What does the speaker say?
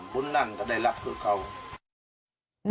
บุญนั้นก็ได้รับทุกของ